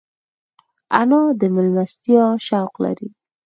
انا د مېلمستیا شوق لري